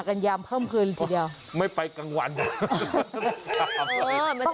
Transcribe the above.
ก็อย่างเพิ่มคืนทีเดียว